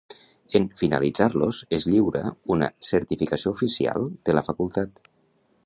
En finalitzar-los, es lliura una certificació oficial de la facultat.